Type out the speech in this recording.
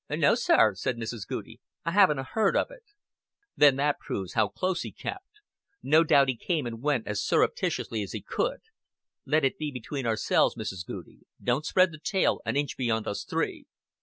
"No, sir," said Mrs. Goudie, "I hadn't 'a' heard of it." "Then that proves how close he kept. No doubt he came and went as surreptitiously as he could. Let it be between ourselves, Mrs. Goudie. Don't spread the tale an inch beyond us three."